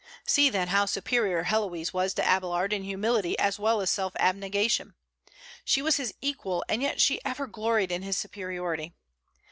See, then, how superior Héloïse was to Abélard in humility as well as self abnegation. She was his equal, and yet she ever gloried in his superiority.